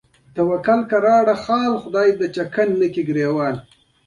هغه کوم خاص حدود او ثغور نه لري.